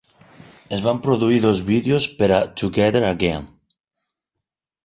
Es van produir dos vídeos per a "Together Again".